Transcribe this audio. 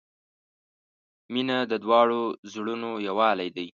• مینه د دواړو زړونو یووالی دی.